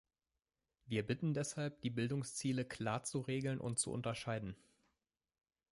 Wir bitten deshalb, die Bildungsziele klar zu regeln und zu unterscheiden.